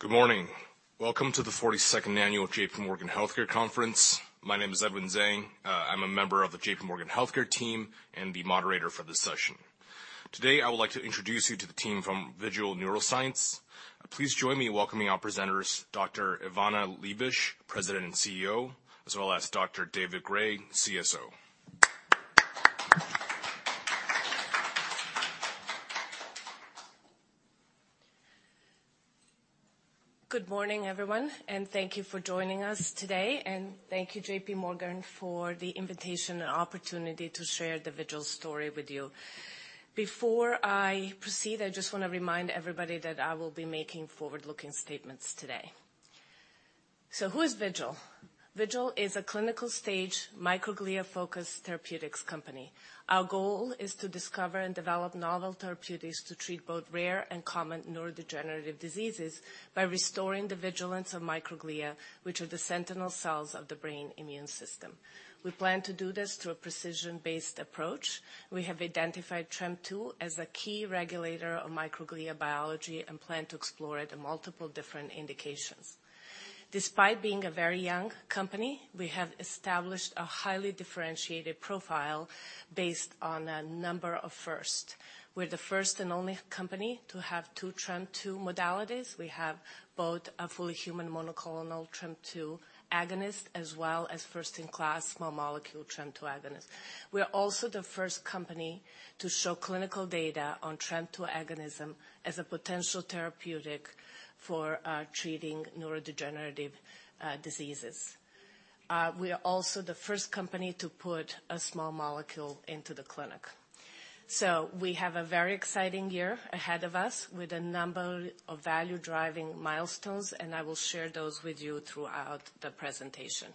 Good morning. Welcome to the 42nd annual JPMorgan Healthcare Conference. My name is Edwin Zhang. I'm a member of the JPMorgan Healthcare team and the moderator for this session. Today, I would like to introduce you to the team from Vigil Neuroscience. Please join me in welcoming our presenters, Dr. Ivana Magovčević-Liebisch, President and CEO, as well as Dr. David Gray, CSO. Good morning, everyone, and thank you for joining us today, and thank you, JPMorgan, for the invitation and opportunity to share the Vigil story with you. Before I proceed, I just wanna remind everybody that I will be making forward-looking statements today. Who is Vigil? Vigil is a clinical stage microglia-focused therapeutics company. Our goal is to discover and develop novel therapeutics to treat both rare and common neurodegenerative diseases by restoring the vigilance of microglia, which are the sentinel cells of the brain immune system. We plan to do this through a precision-based approach. We have identified TREM2 as a key regulator of microglia biology and plan to explore it in multiple different indications. Despite being a very young company, we have established a highly differentiated profile based on a number of firsts. We're the first and only company to have two TREM2 modalities. We have both a fully human monoclonal TREM2 agonist, as well as first-in-class small molecule TREM2 agonist. We are also the first company to show clinical data on TREM2 agonism as a potential therapeutic for treating neurodegenerative diseases. We are also the first company to put a small molecule into the clinic. So we have a very exciting year ahead of us with a number of value-driving milestones, and I will share those with you throughout the presentation.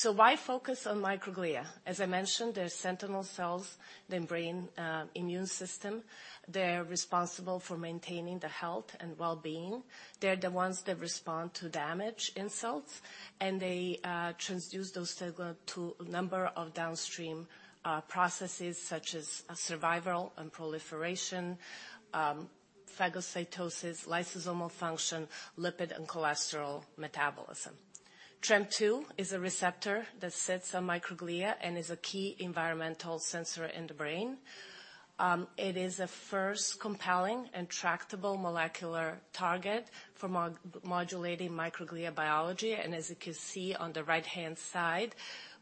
So why focus on microglia? As I mentioned, they're sentinel cells in the brain immune system. They're responsible for maintaining the health and well-being. They're the ones that respond to damage insults, and they transduce those signal to a number of downstream processes such as survival and proliferation, phagocytosis, lysosomal function, lipid and cholesterol metabolism. TREM2 is a receptor that sits on microglia and is a key environmental sensor in the brain. It is the first compelling and tractable molecular target for modulating microglia biology, and as you can see on the right-hand side,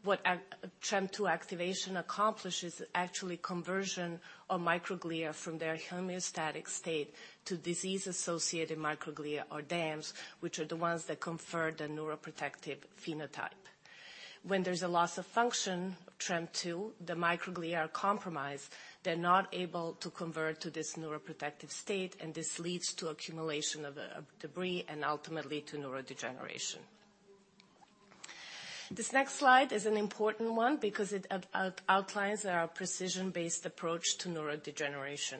what a TREM2 activation accomplishes is actually conversion of microglia from their homeostatic state to disease-associated microglia or DAMs, which are the ones that confer the neuroprotective phenotype. When there's a loss of function of TREM2, the microglia are compromised. They're not able to convert to this neuroprotective state, and this leads to accumulation of debris and ultimately to neurodegeneration. This next slide is an important one because it outlines our precision-based approach to neurodegeneration.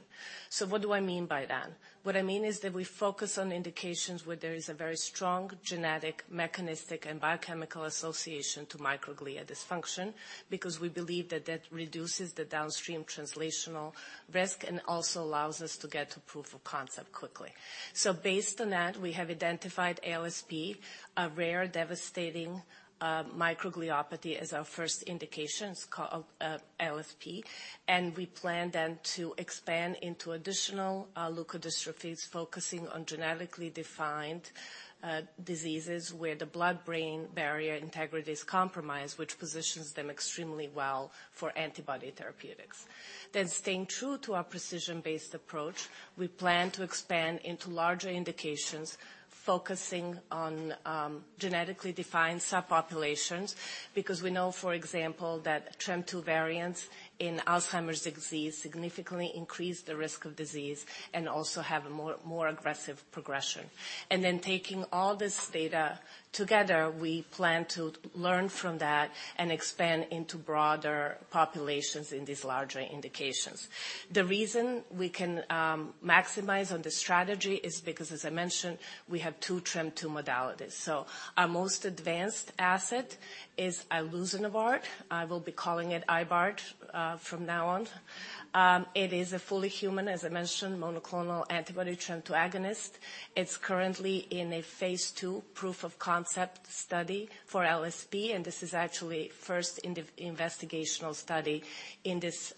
What do I mean by that? What I mean is that we focus on indications where there is a very strong genetic, mechanistic, and biochemical association to microglia dysfunction, because we believe that that reduces the downstream translational risk and also allows us to get to proof of concept quickly. So based on that, we have identified ALSP, a rare, devastating microgliopathy as our first indication. It's called ALSP, and we plan then to expand into additional leukodystrophies, focusing on genetically defined diseases where the blood-brain barrier integrity is compromised, which positions them extremely well for antibody therapeutics. Then, staying true to our precision-based approach, we plan to expand into larger indications, focusing on genetically defined subpopulations, because we know, for example, that TREM2 variants in Alzheimer's disease significantly increase the risk of disease and also have a more, more aggressive progression. Taking all this data together, we plan to learn from that and expand into broader populations in these larger indications. The reason we can maximize on this strategy is because, as I mentioned, we have two TREM2 modalities. So our most advanced asset is iBart. I will be calling it ILBART from now on. It is a fully human, as I mentioned, monoclonal antibody TREM2 agonist. It's currently in a phase II proof-of-concept study for ALSP, and this is actually first in the investigational study in this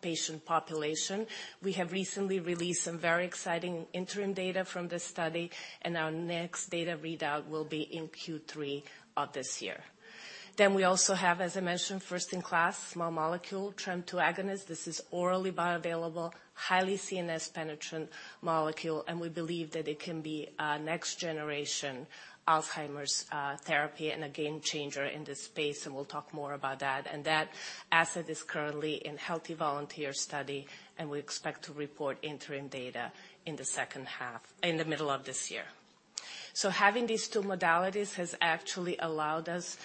patient population. We have recently released some very exciting interim data from this study, and our next data readout will be in Q3 of this year. Then we also have, as I mentioned, first-in-class, small molecule, TREM2 agonist. This is orally bioavailable, highly CNS penetrant molecule, and we believe that it can be a next-generation Alzheimer's therapy and a game changer in this space, and we'll talk more about that. And that asset is currently in healthy volunteer study, and we expect to report interim data in the second half in the middle of this year. So having these two modalities has actually allowed us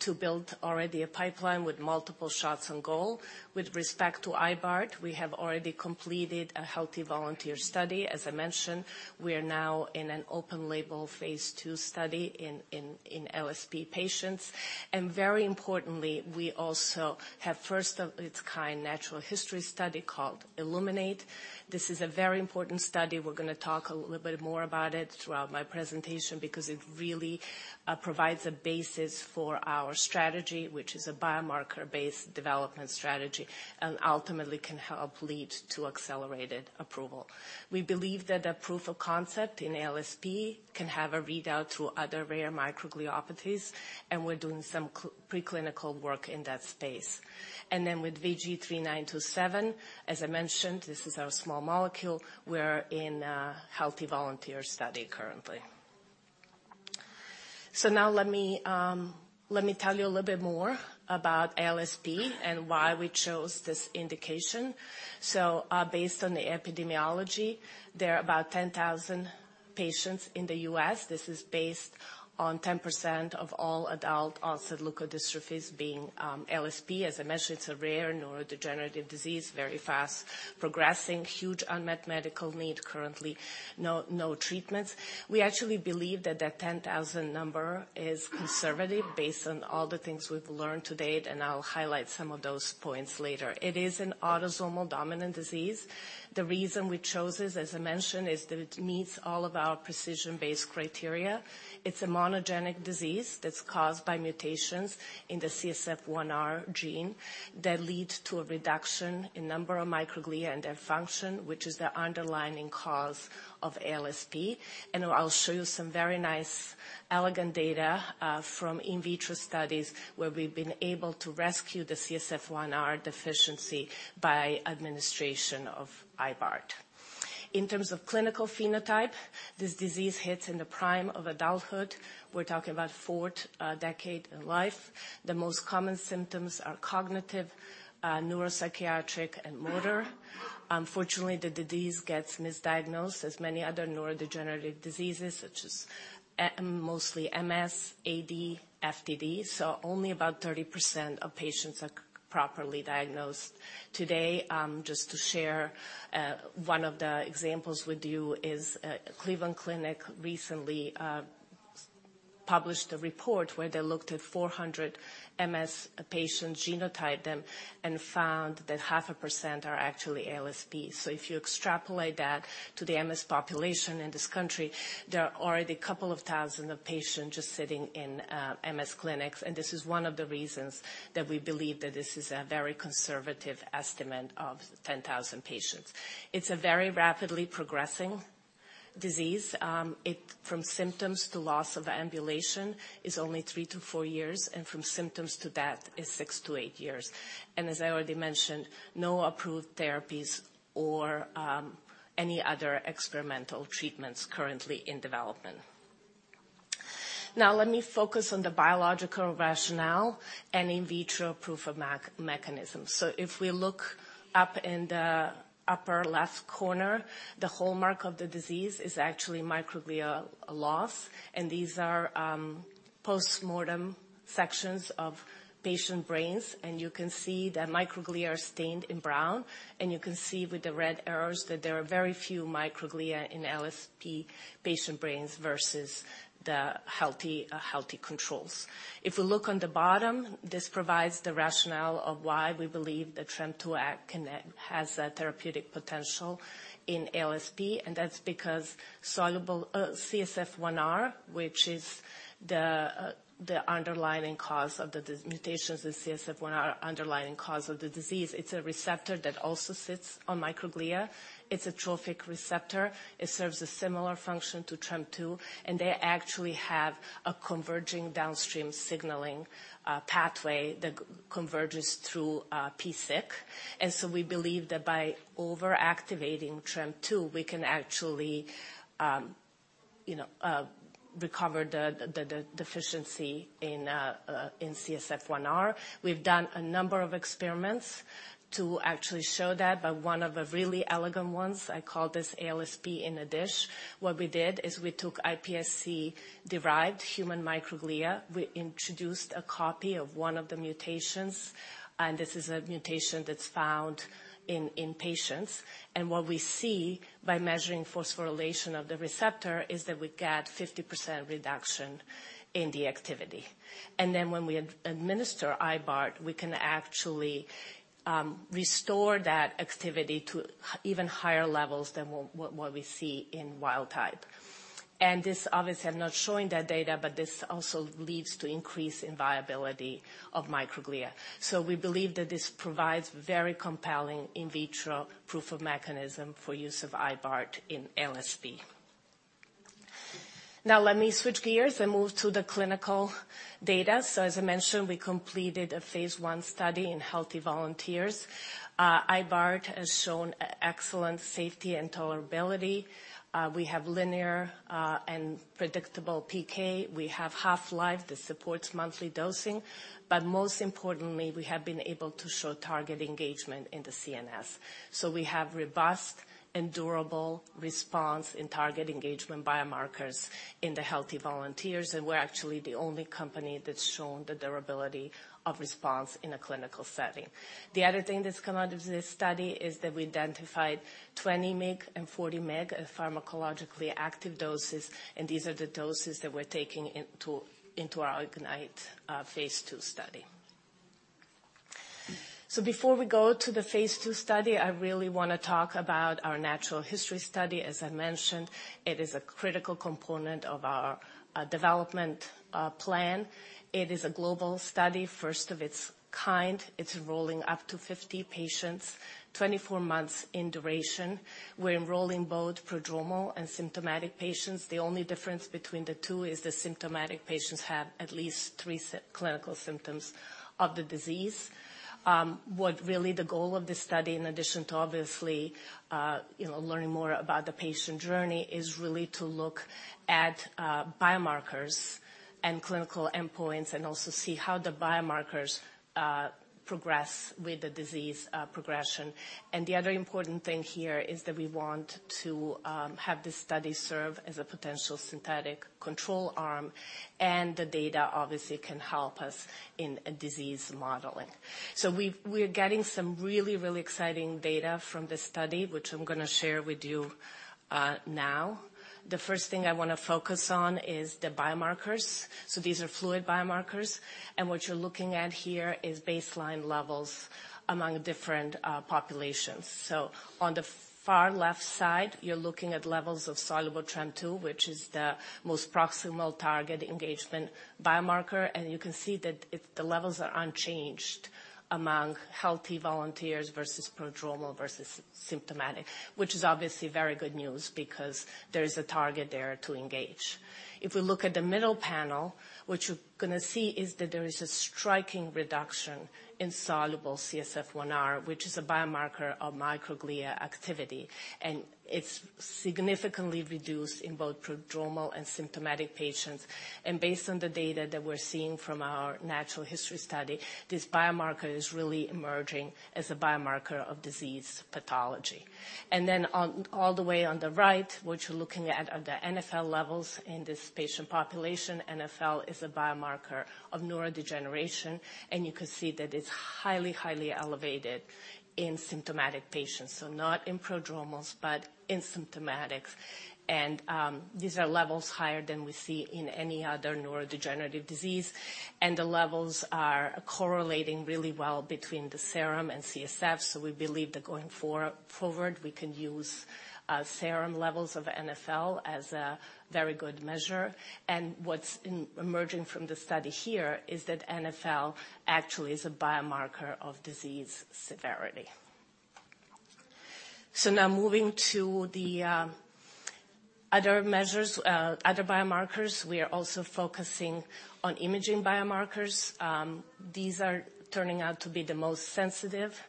to build already a pipeline with multiple shots on goal. With respect to iBart, we have already completed a healthy volunteer study. As I mentioned, we are now in an open label phase two study in ALSP patients. And very importantly, we also have first of its kind natural history study called ILLUMINATE. This is a very important study. We're gonna talk a little bit more about it throughout my presentation, because it really provides a basis for our strategy, which is a biomarker-based development strategy, and ultimately can help lead to accelerated approval. We believe that the proof of concept in ALSP can have a readout to other rare microgliopathies, and we're doing some preclinical work in that space. Then with VG-3927, as I mentioned, this is our small molecule. We're in a healthy volunteer study currently. So now let me tell you a little bit more about ALSP and why we chose this indication. So based on the epidemiology, there are about 10,000 patients in the U.S. This is based on 10% of all adult onset leukodystrophies being ALSP. As I mentioned, it's a rare neurodegenerative disease, very fast progressing, huge unmet medical need, currently no, no treatments. We actually believe that the 10,000 number is conservative, based on all the things we've learned to date, and I'll highlight some of those points later. It is an autosomal dominant disease. The reason we chose this, as I mentioned, is that it meets all of our precision-based criteria. It's a monogenic disease that's caused by mutations in the CSF1R gene that lead to a reduction in number of microglia and their function, which is the underlying cause of ALSP. And I'll show you some very nice elegant data from in vitro studies, where we've been able to rescue the CSF1R deficiency by administration of iBart. In terms of clinical phenotype, this disease hits in the prime of adulthood. We're talking about fourth decade in life. The most common symptoms are cognitive, neuropsychiatric, and motor. Unfortunately, the disease gets misdiagnosed as many other neurodegenerative diseases, such as mostly MS, AD, FTD. So only about 30% of patients are properly diagnosed today. Just to share one of the examples with you is Cleveland Clinic recently published a report where they looked at 400 MS patients, genotyped them, and found that 0.5% are actually ALSP. So if you extrapolate that to the MS population in this country, there are already 2,000 patients just sitting in MS clinics, and this is one of the reasons that we believe that this is a very conservative estimate of 10,000 patients. It's a very rapidly progressing disease. From symptoms to loss of ambulation is only three to four years, and from symptoms to death is six to eight years. As I already mentioned, no approved therapies or any other experimental treatments currently in development. Now, let me focus on the biological rationale and in vitro proof of mechanism. So if we look up in the upper left corner, the hallmark of the disease is actually microglia loss, and these are postmortem sections of patient brains. And you can see the microglia are stained in brown, and you can see with the red arrows that there are very few microglia in ALSP patient brains versus the healthy controls. If we look on the bottom, this provides the rationale of why we believe that TREM2 has a therapeutic potential in ALSP, and that's because mutations in CSF1R, underlying cause of the disease. It's a receptor that also sits on microglia. It's a trophic receptor. It serves a similar function to TREM2, and they actually have a converging downstream signaling pathway that converges through SYK. And so we believe that by over-activating TREM2, we can actually, you know, recover the deficiency in CSF1R. We've done a number of experiments to actually show that, but one of the really elegant ones, I call this ALSP in a dish. What we did is we took iPSC-derived human microglia. We introduced a copy of one of the mutations, and this is a mutation that's found in patients. And what we see by measuring phosphorylation of the receptor is that we get 50% reduction in the activity. And then when we administer iBart, we can actually restore that activity to even higher levels than what we see in wild type. And this, obviously, I'm not showing that data, but this also leads to increase in viability of microglia. So we believe that this provides very compelling in vitro proof of mechanism for use of iBart in ALSP. Now let me switch gears and move to the clinical data. So as I mentioned, we completed a phase I study in healthy volunteers. iBart has shown excellent safety and tolerability. We have linear and predictable PK. We have half-life that supports monthly dosing, but most importantly, we have been able to show target engagement in the CNS. So we have robust and durable response in target engagement biomarkers in the healthy volunteers, and we're actually the only company that's shown the durability of response in a clinical setting. The other thing that's come out of this study is that we identified 20 mg and 40 mg of pharmacologically active doses, and these are the doses that we're taking into our IGNITE phase II study. So before we go to the phase II study, I really wanna talk about our natural history study. As I mentioned, it is a critical component of our development plan. It is a global study, first of its kind. It's enrolling up to 50 patients, 24 months in duration. We're enrolling both prodromal and symptomatic patients. The only difference between the two is the symptomatic patients have at least three clinical symptoms of the disease. What really the goal of this study, in addition to obviously, you know, learning more about the patient journey, is really to look at biomarkers and clinical endpoints, and also see how the biomarkers progress with the disease progression. And the other important thing here is that we want to have this study serve as a potential synthetic control arm, and the data obviously can help us in disease modeling. So we're getting some really, really exciting data from this study, which I'm gonna share with you, now. The first thing I wanna focus on is the biomarkers. So these are fluid biomarkers, and what you're looking at here is baseline levels among different populations. So on the far left side, you're looking at levels of soluble TREM2, which is the most proximal target engagement biomarker, and you can see that it, the levels are unchanged among healthy volunteers versus prodromal versus symptomatic, which is obviously very good news because there is a target there to engage. If we look at the middle panel, what you're gonna see is that there is a striking reduction in soluble CSF1R, which is a biomarker of microglia activity, and it's significantly reduced in both prodromal and symptomatic patients. And based on the data that we're seeing from our natural history study, this biomarker is really emerging as a biomarker of disease pathology. And then on all the way on the right, what you're looking at are the NfL levels in this patient population. NfL is a biomarker of neurodegeneration, and you can see that it's highly, highly elevated in symptomatic patients. So not in prodromals, but in symptomatics. And these are levels higher than we see in any other neurodegenerative disease, and the levels are correlating really well between the serum and CSF, so we believe that going forward, we can use serum levels of NfL as a very good measure. And what's emerging from the study here is that NfL actually is a biomarker of disease severity. So now moving to the other measures, other biomarkers. We are also focusing on imaging biomarkers. These are turning out to be the most sensitive,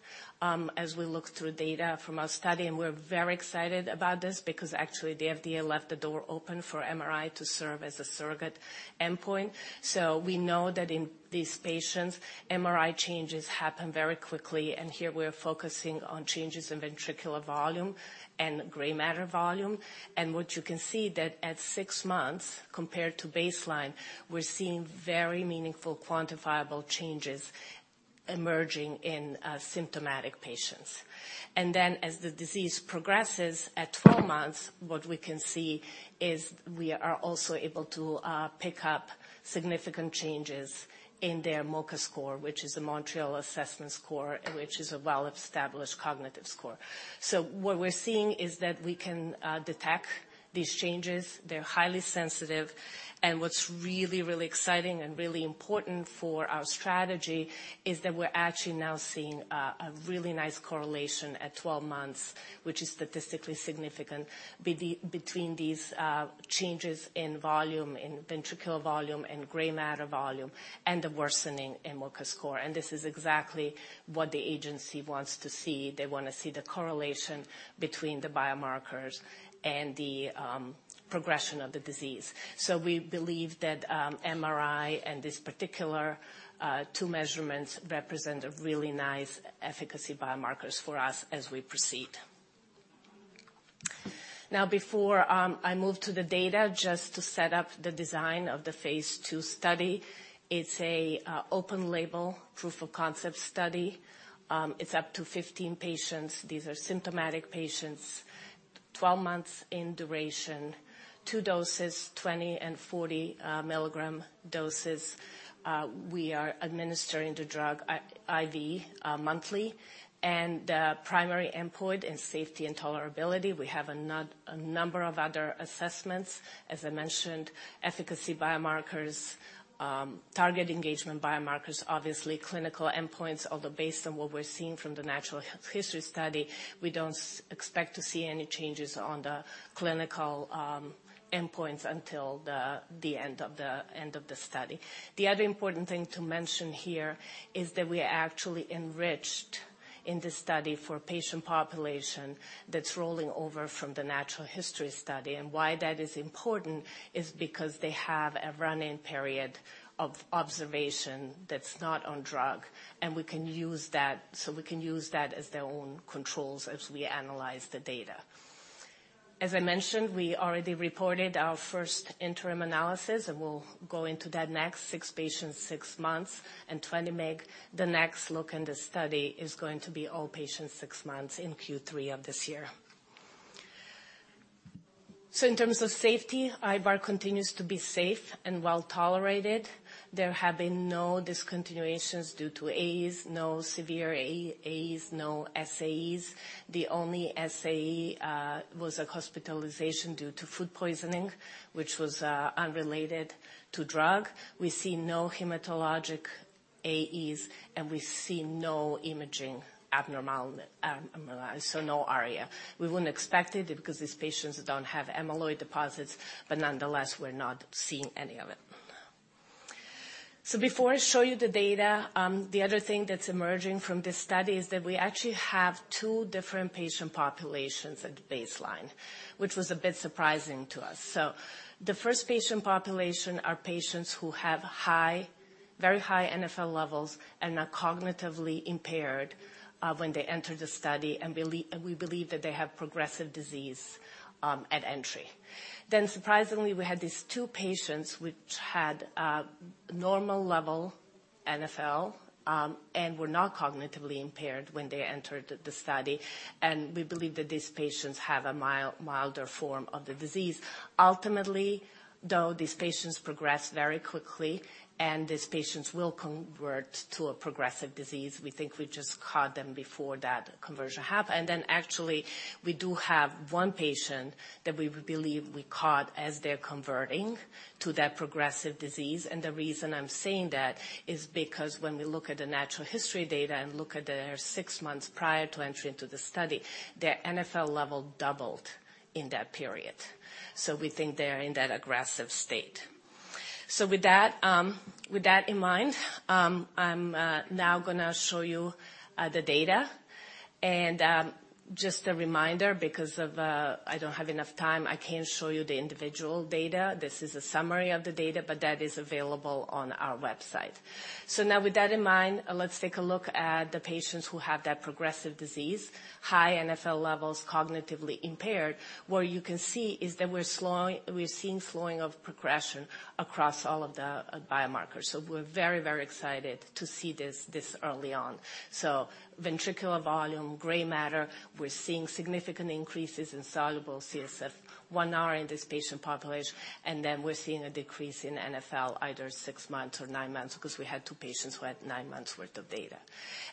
as we look through data from our study, and we're very excited about this because actually, the FDA left the door open for MRI to serve as a surrogate endpoint. So we know that in these patients, MRI changes happen very quickly, and here we're focusing on changes in ventricular volume and gray matter volume. And what you can see that at six months, compared to baseline, we're seeing very meaningful, quantifiable changes emerging in, symptomatic patients. And then as the disease progresses, at 12 months, what we can see is we are also able to, pick up significant changes in their MoCA score, which is a Montreal Cognitive Assessment, which is a well-established cognitive score. So what we're seeing is that we can, detect these changes. They're highly sensitive, and what's really, really exciting and really important for our strategy is that we're actually now seeing a really nice correlation at 12 months, which is statistically significant, between these changes in volume, in ventricular volume and gray matter volume, and the worsening in MoCA score. And this is exactly what the agency wants to see. They wanna see the correlation between the biomarkers and the progression of the disease. So we believe that MRI and this particular two measurements represent a really nice efficacy biomarkers for us as we proceed. Now, before I move to the data, just to set up the design of the phase II study, it's a open-label, proof-of-concept study. It's up to 15 patients. These are symptomatic patients, 12 months in duration, two doses, 20 and 40 mg doses. We are administering the drug at IV, monthly, and the primary endpoint is safety and tolerability. We have a number of other assessments, as I mentioned, efficacy biomarkers, target engagement biomarkers, obviously clinical endpoints although based on what we're seeing from the natural history study, we don't expect to see any changes on the clinical endpoints until the end of the study. The other important thing to mention here is that we actually enriched in this study for patient population that's rolling over from the natural history study. And why that is important is because they have a run-in period of observation that's not on drug, and we can use that, so we can use that as their own controls as we analyze the data. As I mentioned, we already reported our first interim analysis, and we'll go into that next, six patients, six months, and 20 mg. The next look in the study is going to be all patients, six months in Q3 of this year. So in terms of safety, iBart continues to be safe and well-tolerated. There have been no discontinuations due to AEs, no severe AEs, no SAEs. The only SAE was a hospitalization due to food poisoning, which was unrelated to drug. We see no hematologic AEs, and we see no imaging abnormalities, so no ARIA. We wouldn't expect it because these patients don't have amyloid deposits, but nonetheless, we're not seeing any of it. So before I show you the data, the other thing that's emerging from this study is that we actually have two different patient populations at the baseline, which was a bit surprising to us. So the first patient population are patients who have high, very high NfL levels and are cognitively impaired, when they enter the study, and believe that they have progressive disease at entry. Then surprisingly, we had these two patients which had, normal level NfL, and were not cognitively impaired when they entered the study, and we believe that these patients have a mild, milder form of the disease. Ultimately, though, these patients progress very quickly, and these patients will convert to a progressive disease. We think we just caught them before that conversion happened. Then actually, we do have one patient that we believe we caught as they're converting to that progressive disease. And the reason I'm saying that is because when we look at the natural history data and look at their six months prior to entry into the study, their NfL level doubled in that period. So we think they're in that aggressive state. So with that, with that in mind, I'm now gonna show you the data. And, just a reminder, because of, I don't have enough time, I can't show you the individual data. This is a summary of the data, but that is available on our website. So now with that in mind, let's take a look at the patients who have that progressive disease, high NfL levels, cognitively impaired. What you can see is that we're seeing slowing of progression across all of the biomarkers. So we're very, very excited to see this, this early on. So ventricular volume, gray matter, we're seeing significant increases in soluble CSF1R in this patient population, and then we're seeing a decrease in NfL either six months or nine months because we had two patients who had nine months' worth of data.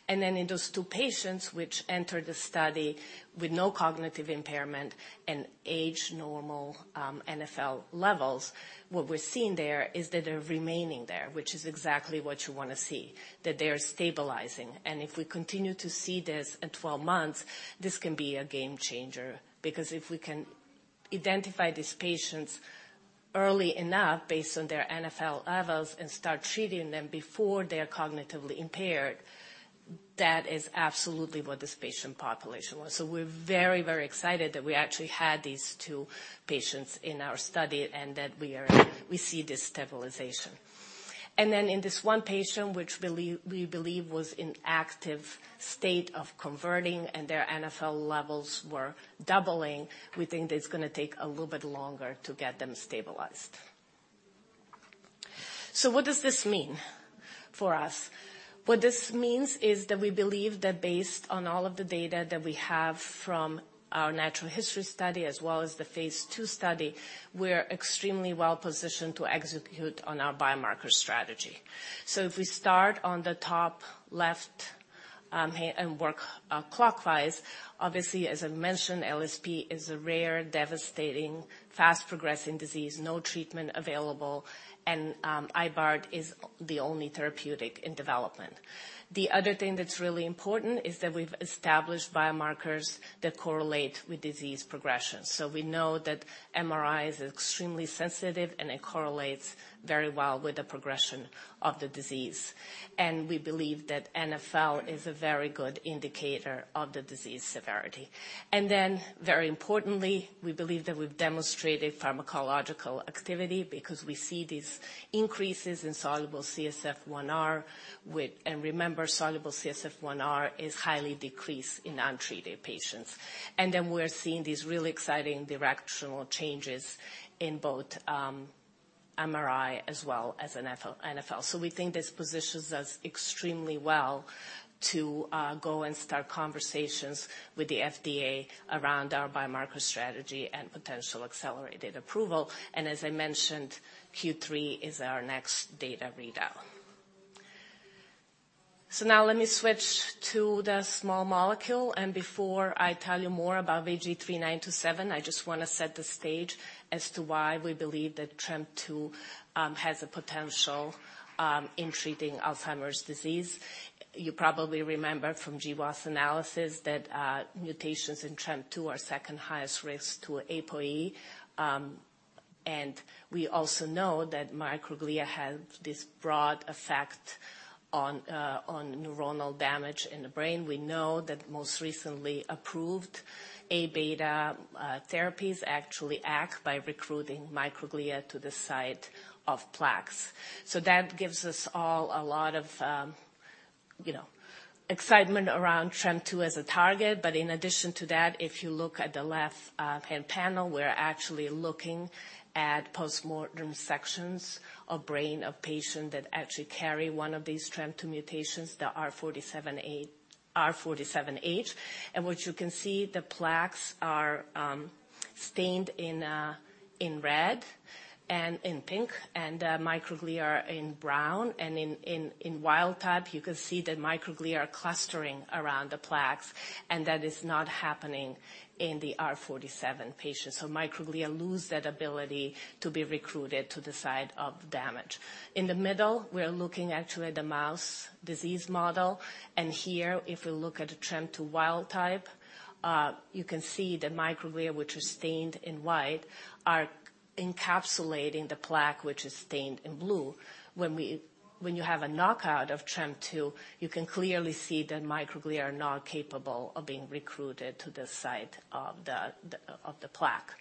And then in those two patients, which entered the study with no cognitive impairment and age-normal NfL levels, what we're seeing there is that they're remaining there, which is exactly what you wanna see, that they are stabilizing. And if we continue to see this at 12 months, this can be a game changer, because if we can identify these patients early enough based on their NfL levels and start treating them before they are cognitively impaired, that is absolutely what this patient population was. So we're very, very excited that we actually had these two patients in our study and that we see this stabilization. And then in this one patient, which we believe was in active state of converting and their NfL levels were doubling, we think it's gonna take a little bit longer to get them stabilized. So what does this mean for us? What this means is that we believe that based on all of the data that we have from our natural history study, as well as the phase II study, we're extremely well-positioned to execute on our biomarker strategy. So if we start on the top left, and work clockwise, obviously, as I mentioned, ALSP is a rare, devastating, fast-progressing disease, no treatment available, and iBart is the only therapeutic in development. The other thing that's really important is that we've established biomarkers that correlate with disease progression. So we know that MRI is extremely sensitive, and it correlates very well with the progression of the disease. And we believe that NfL is a very good indicator of the disease severity. And then, very importantly, we believe that we've demonstrated pharmacological activity because we see these increases in soluble CSF1R with... Remember, soluble CSF1R is highly decreased in untreated patients. Then we're seeing these really exciting directional changes in both MRI as well as NfL. So we think this positions us extremely well to go and start conversations with the FDA around our biomarker strategy and potential accelerated approval. And as I mentioned, Q3 is our next data readout. So now let me switch to the small molecule. And before I tell you more about VG-3927, I just wanna set the stage as to why we believe that TREM2 has a potential in treating Alzheimer's disease. You probably remember from GWAS analysis that mutations in TREM2 are second highest risk to APOE. And we also know that microglia have this broad effect on neuronal damage in the brain. We know that most recently approved A-beta therapies actually act by recruiting microglia to the site of plaques. So that gives us all a lot of, you know, excitement around TREM2 as a target. But in addition to that, if you look at the left hand panel, we're actually looking at postmortem sections of brain of patient that actually carry one of these TREM2 mutations, the R47H. And what you can see, the plaques are stained in red and in pink, and microglia are in brown. And in wild type, you can see the microglia are clustering around the plaques, and that is not happening in the R47H patients. So microglia lose that ability to be recruited to the site of damage. In the middle, we are looking actually at the mouse disease model, and here, if we look at the TREM2 wild type, you can see the microglia, which is stained in white, are encapsulating the plaque, which is stained in blue. When you have a knockout of TREM2, you can clearly see that microglia are not capable of being recruited to the site of the plaque.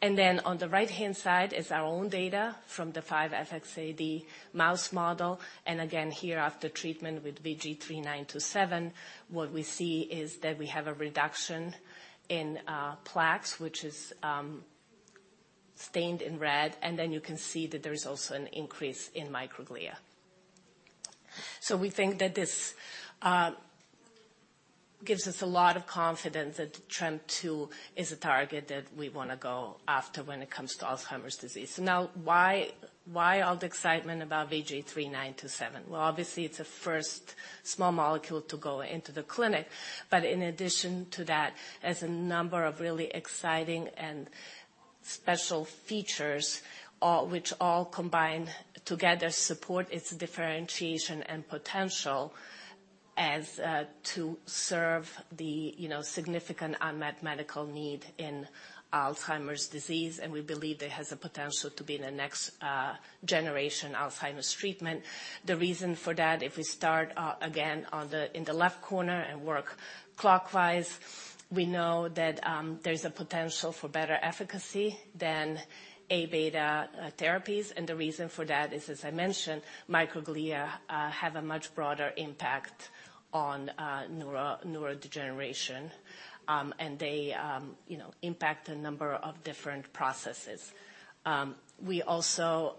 And then on the right-hand side is our own data from the 5XFAD mouse model. And again, here, after treatment with VG-3927, what we see is that we have a reduction in plaques, which is stained in red, and then you can see that there is also an increase in microglia. So we think that this gives us a lot of confidence that TREM2 is a target that we wanna go after when it comes to Alzheimer's disease. Now, why all the excitement about VG-3927? Well, obviously, it's the first small molecule to go into the clinic, but in addition to that, there's a number of really exciting and special features, all which all combined together support its differentiation and potential as to serve the, you know, significant unmet medical need in Alzheimer's disease, and we believe it has the potential to be the next generation Alzheimer's treatment. The reason for that, if we start again on the, in the left corner and work clockwise, we know that there's a potential for better efficacy than A-beta therapies. The reason for that is, as I mentioned, microglia have a much broader impact on neurodegeneration, and they, you know, impact a number of different processes. We also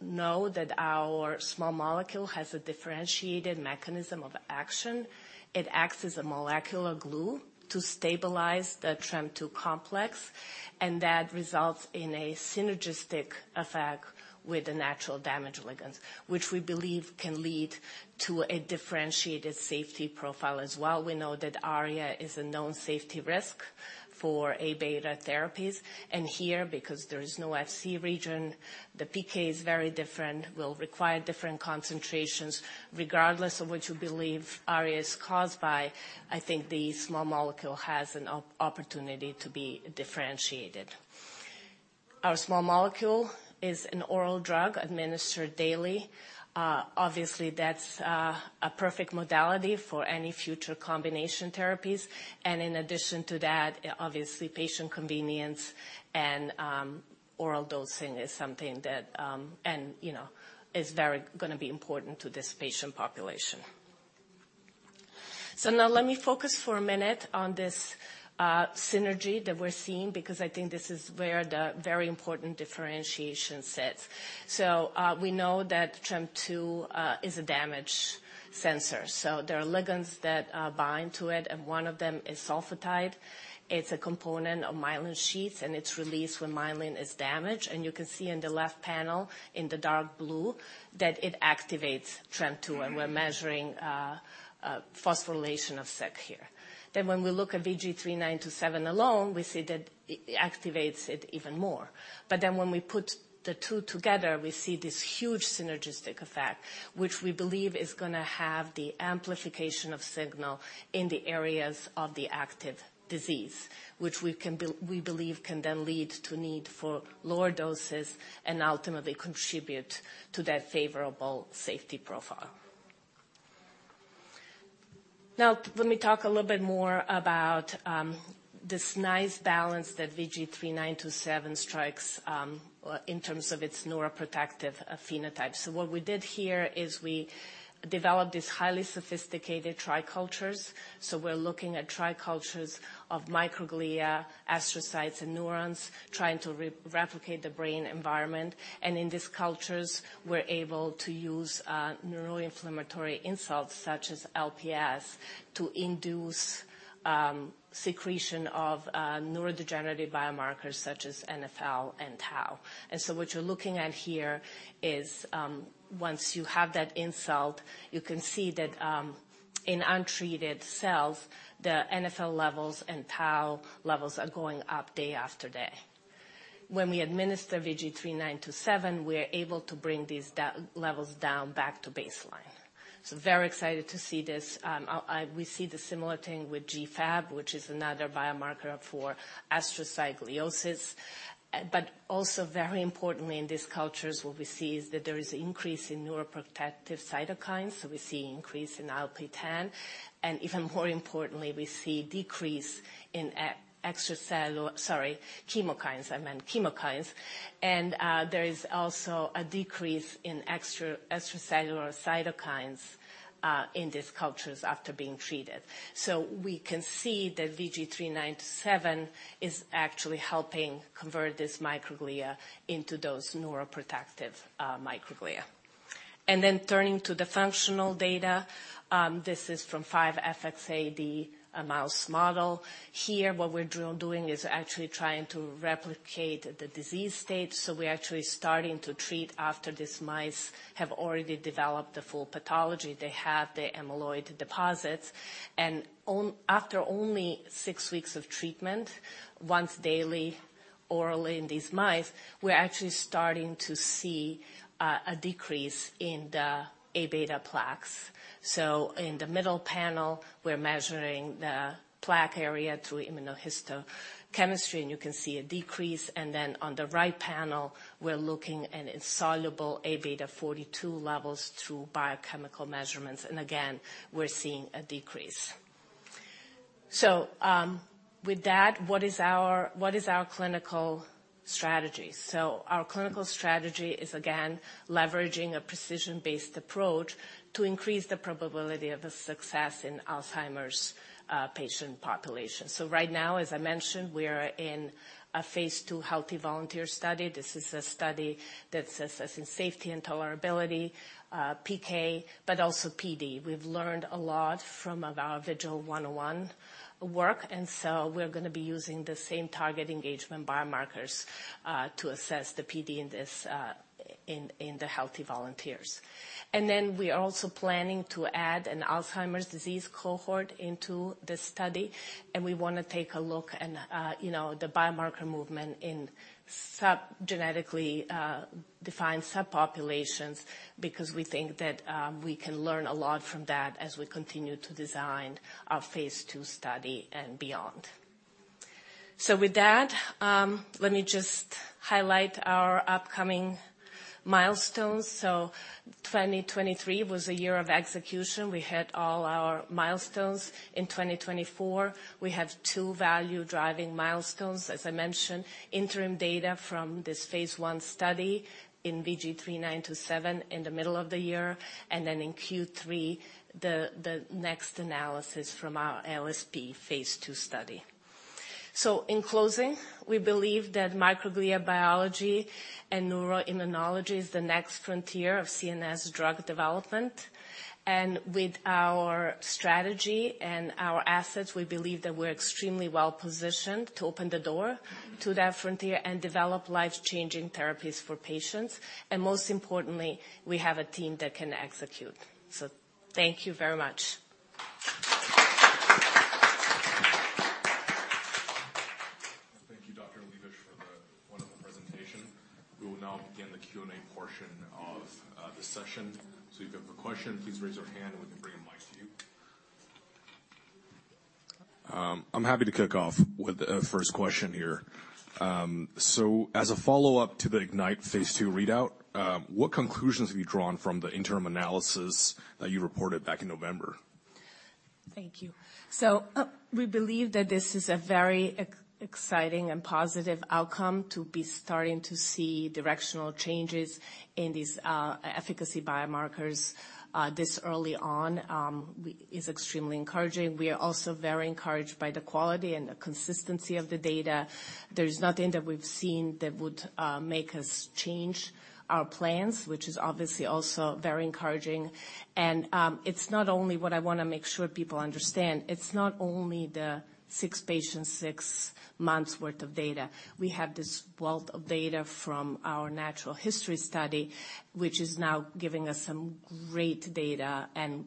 know that our small molecule has a differentiated mechanism of action. It acts as a molecular glue to stabilize the TREM2 complex, and that results in a synergistic effect with the natural damage ligands, which we believe can lead to a differentiated safety profile as well. We know that ARIA is a known safety risk for A-beta therapies, and here, because there is no Fc region, the PK is very different, will require different concentrations. Regardless of what you believe ARIA is caused by, I think the small molecule has an opportunity to be differentiated. Our small molecule is an oral drug administered daily. Obviously, that's a perfect modality for any future combination therapies. And in addition to that, obviously, patient convenience and oral dosing is something that, you know, is very gonna be important to this patient population. So now let me focus for a minute on this synergy that we're seeing, because I think this is where the very important differentiation sits. So, we know that TREM2 is a damage sensor. So there are ligands that bind to it, and one of them is sulfatide. It's a component of myelin sheaths, and it's released when myelin is damaged. And you can see in the left panel, in the dark blue, that it activates TREM2, and we're measuring phosphorylation of SYK here. Then when we look at VG-3927 alone, we see that it activates it even more. But then when we put the two together, we see this huge synergistic effect, which we believe is gonna have the amplification of signal in the areas of the active disease, which we believe can then lead to need for lower doses and ultimately contribute to that favorable safety profile. Now, let me talk a little bit more about this nice balance that VG-3927 strikes in terms of its neuroprotective phenotype. So what we did here is we developed these highly sophisticated tricultures. So we're looking at tricultures of microglia, astrocytes, and neurons, trying to replicate the brain environment. And in these cultures, we're able to use neuroinflammatory insults such as LPS to induce secretion of neurodegenerative biomarkers such as NfL and Tau. So what you're looking at here is, once you have that insult, you can see that, in untreated cells, the NfL levels and Tau levels are going up day after day. When we administer VG-3927, we are able to bring these down, levels down back to baseline. So very excited to see this. We see the similar thing with GFAP, which is another biomarker for astrocytosis. But also very importantly in these cultures, what we see is that there is increase in neuroprotective cytokines. So we see increase in IL-10, and even more importantly, we see decrease in chemokines, sorry, I meant chemokines. And there is also a decrease in extracellular cytokines in these cultures after being treated. So we can see that VG-3927 is actually helping convert this microglia into those neuroprotective microglia. And then turning to the functional data, this is from 5XFAD mouse model. Here, what we're doing is actually trying to replicate the disease state, so we're actually starting to treat after these mice have already developed the full pathology. They have the amyloid deposits. And after only 6 weeks of treatment, once daily, orally in these mice, we're actually starting to see a decrease in the A-beta plaques. So in the middle panel, we're measuring the plaque area through immunohistochemistry, and you can see a decrease. And then on the right panel, we're looking at insoluble A-beta 42 levels through biochemical measurements, and again, we're seeing a decrease. So with that, what is our clinical strategy? So our clinical strategy is, again, leveraging a precision-based approach to increase the probability of a success in Alzheimer's patient population. So right now, as I mentioned, we are in a phase II healthy volunteer study. This is a study that's assessing safety and tolerability, PK, but also PD. We've learned a lot from our VGL101 work, and so we're gonna be using the same target engagement biomarkers to assess the PD in this, in the healthy volunteers. And then we are also planning to add an Alzheimer's disease cohort into the study, and we wanna take a look at, you know, the biomarker movement in subgenetically defined subpopulations, because we think that we can learn a lot from that as we continue to design our phase II study and beyond. So with that, let me just highlight our upcoming milestones. 2023 was a year of execution. We hit all our milestones. In 2024, we have two value-driving milestones. As I mentioned, interim data from this phase I study in VG-3927 in the middle of the year, and then in Q3, the next analysis from our ALSP phase II study. So in closing, we believe that microglia biology and neuroimmunology is the next frontier of CNS drug development. And with our strategy and our assets, we believe that we're extremely well-positioned to open the door to that frontier and develop life-changing therapies for patients. And most importantly, we have a team that can execute. So thank you very much. Thank you, Dr. Magovčević-Liebisch, for the wonderful presentation. We will now begin the Q&A portion of the session. So if you have a question, please raise your hand, and we can bring a mic to you. I'm happy to kick off with the first question here. As a follow-up to the IGNITE phase II readout, what conclusions have you drawn from the interim analysis that you reported back in November? Thank you. So, we believe that this is a very exciting and positive outcome to be starting to see directional changes in these, efficacy biomarkers, this early on, is extremely encouraging. We are also very encouraged by the quality and the consistency of the data. There's nothing that we've seen that would, make us change our plans, which is obviously also very encouraging. And, it's not only what I wanna make sure people understand, it's not only the six patients, six months' worth of data. We have this wealth of data from our natural history study, which is now giving us some great data and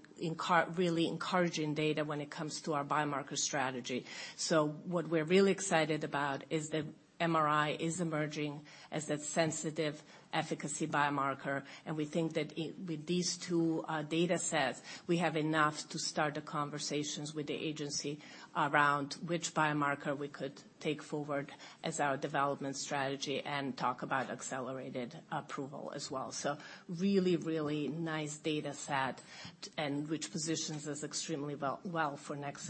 really encouraging data when it comes to our biomarker strategy. So what we're really excited about is that MRI is emerging as that sensitive efficacy biomarker, and we think that it... with these two datasets, we have enough to start the conversations with the agency around which biomarker we could take forward as our development strategy and talk about accelerated approval as well. So really, really nice data set, and which positions us extremely well, well for next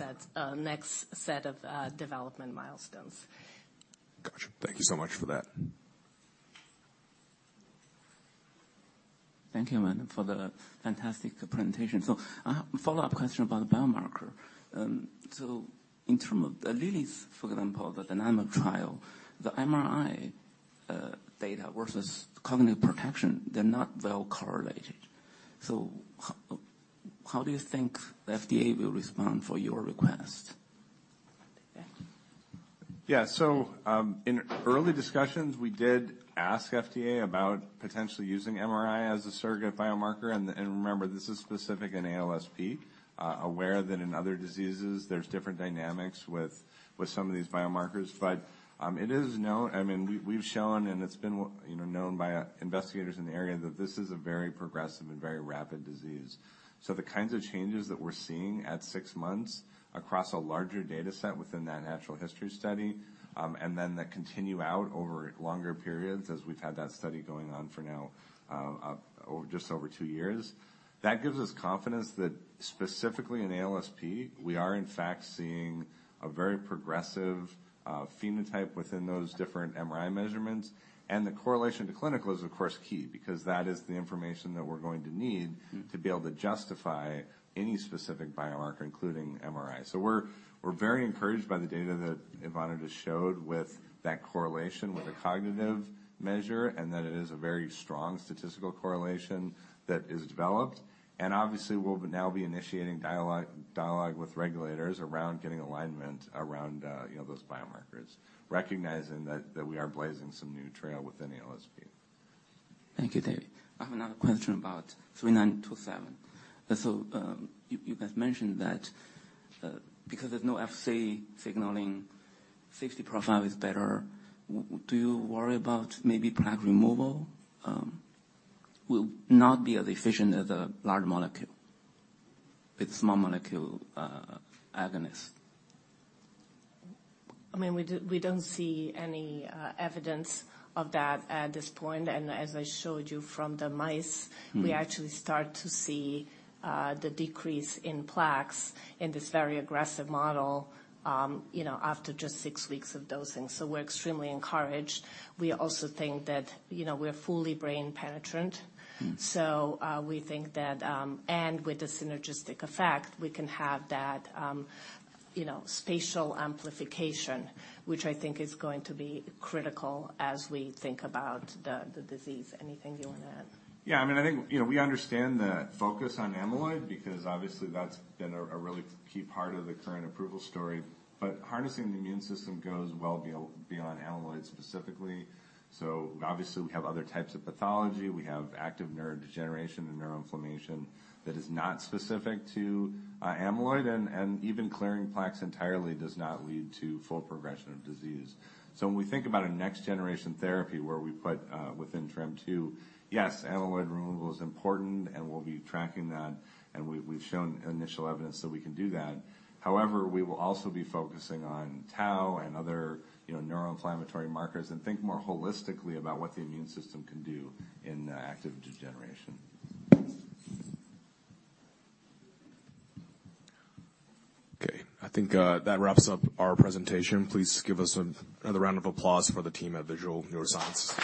set of development milestones. Gotcha. Thank you so much for that. Thank you, Ivana, for the fantastic presentation. So, a follow-up question about the biomarker. So in terms of Lilly's, for example, the DYNAMIC trial, the MRI data versus cognitive protection, they're not well correlated. So how do you think the FDA will respond for your request? Yeah. So, in early discussions, we did ask FDA about potentially using MRI as a surrogate biomarker. And remember, this is specific in ALSP. We're aware that in other diseases there's different dynamics with some of these biomarkers. But, it is known—I mean, we've shown, and it's been, you know, known by investigators in the area, that this is a very progressive and very rapid disease. So the kinds of changes that we're seeing at six months across a larger data set within that natural history study, and then that continue out over longer periods, as we've had that study going on for now, just over two years, that gives us confidence that specifically in ALSP, we are in fact seeing a very progressive phenotype within those different MRI measurements. The correlation to clinical is, of course, key, because that is the information that we're going to need to be able to justify any specific biomarker, including MRI. So we're very encouraged by the data that Ivana just showed with that correlation with a cognitive measure, and that it is a very strong statistical correlation that is developed. And obviously, we'll now be initiating dialogue with regulators around getting alignment around, you know, those biomarkers, recognizing that we are blazing some new trail within ALSP. Thank you, David. I have another question about VG-3927. So, you guys mentioned that, because there's no Fc signaling, safety profile is better. Do you worry about maybe plaque removal will not be as efficient as a large molecule, with small molecule, agonist? I mean, we do... We don't see any evidence of that at this point. And as I showed you from the mice, we actually start to see the decrease in plaques in this very aggressive model, you know, after just six weeks of dosing. So we're extremely encouraged. We also think that, you know, we're fully brain penetrant So, we think that, and with the synergistic effect, we can have that, you know, spatial amplification, which I think is going to be critical as we think about the disease. Anything you want to add? Yeah, I mean, I think, you know, we understand the focus on amyloid, because obviously that's been a really key part of the current approval story. But harnessing the immune system goes well beyond amyloid specifically. So obviously, we have other types of pathology. We have active neurodegeneration and neuroinflammation that is not specific to amyloid, and even clearing plaques entirely does not lead to full progression of disease. So when we think about a next-generation therapy, where we put within TREM2, yes, amyloid removal is important, and we'll be tracking that, and we've shown initial evidence that we can do that. However, we will also be focusing on tau and other, you know, neuroinflammatory markers, and think more holistically about what the immune system can do in active degeneration. Okay, I think that wraps up our presentation. Please give us another round of applause for the team at Vigil Neuroscience.